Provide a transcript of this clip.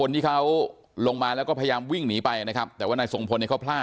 ทำไมไม่รีบช่วยนะคะ